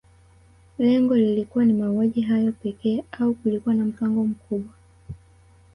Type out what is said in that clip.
Lengo lilikuwa ni mauaji hayo pekee au kulikuwa na mpango mkubwa